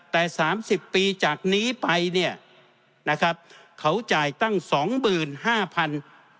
แต่สามสิบปีจากนี้ไปเนี่ยนะครับเขาจ่ายตั้งสองหมื่นห้าพัน